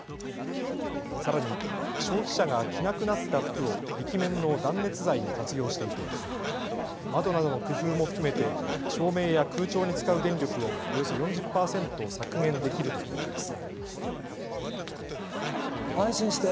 さらに消費者が着なくなった服を壁面の断熱材に活用していて窓などの工夫も含めて照明や空調に使う電力をおよそ４０％削減できるということです。